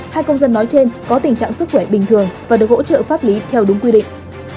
hai công dân nói trên có tình trạng sức khỏe bình thường và được hỗ trợ pháp lý theo đúng quy định